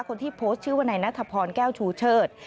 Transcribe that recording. คนที่โพสต์ชื่อว่านายนัทพรแก้วชูเชิด